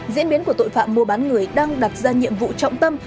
diễn biến của tội phạm mua bán người đang đặt ra nhiệm vụ trọng tâm